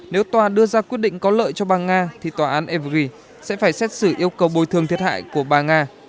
nếu tòa đưa ra quyết định có lợi cho bà nga thì tòa án evry sẽ phải xét xử yêu cầu bồi thường thiệt hại của bà nga